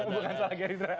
bukan salah geritra